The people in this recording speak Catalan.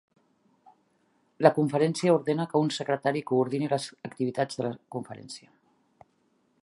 La Conferència ordena que un secretari coordini les activitats de la Conferència.